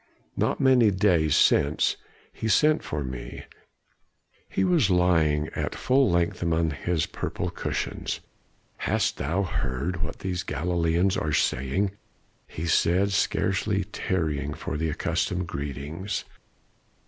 Not many days since he sent for me. He was lying at full length among his purple cushions. "'Hast thou heard what these Galileans are saying,' he said, scarcely tarrying for the accustomed greetings.